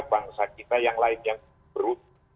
bangsa kita yang lain yang beruntut